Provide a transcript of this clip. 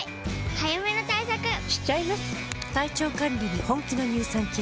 早めの対策しちゃいます。